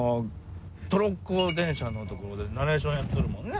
トロッコ電車のところでナレーションやっとるもんね。